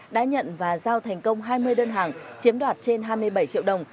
đã nhận và giao thành công hai mươi đơn hàng chiếm đoạt trên hai mươi bảy triệu đồng